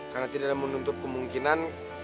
karena tidak ada menuntut kemungkinan